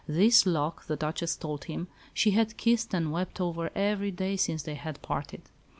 This lock, the Duchess told him, she had kissed and wept over every day since they had parted.